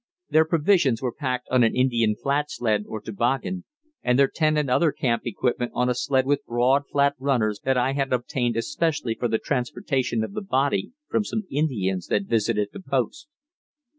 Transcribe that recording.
Their provisions were packed on an Indian flat sled or toboggan, and their tent and other camp equipment on a sled with broad flat runners that I had obtained especially for the transportation of the body from some Indians that visited the post.